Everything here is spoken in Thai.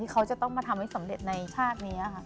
เขาจะต้องมาทำให้สำเร็จในชาตินี้ค่ะ